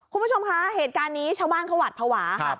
คุณผู้ชมคะเหตุการณ์นี้ชาวบ้านเขาหวัดภาวะค่ะ